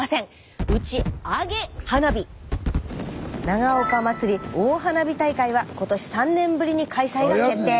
長岡まつり大花火大会は今年３年ぶりに開催が決定。